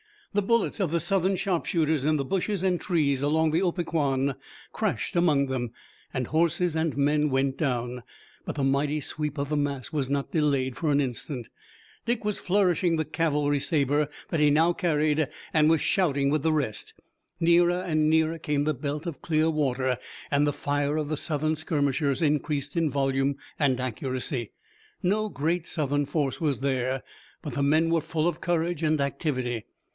The bullets of the Southern sharpshooters, in the bushes and trees along the Opequan, crashed among them, and horses and men went down, but the mighty sweep of the mass was not delayed for an instant. Dick was flourishing the cavalry saber that he now carried and was shouting with the rest. Nearer and nearer came the belt of clear water, and the fire of the Southern skirmishers increased in volume and accuracy. No great Southern force was there, but the men were full of courage and activity.